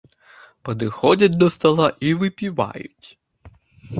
Падыходзяць да стала і выпіваюць.